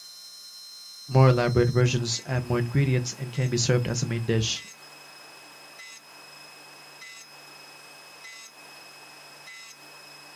More elaborate versions add more ingredients and can be served as a main dish.